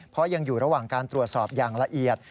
เพราะยังอยู่ระหว่างการตรวจสอบอย่างละเอียด